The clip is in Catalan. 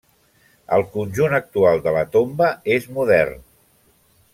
El conjunt actual de la tomba és modern.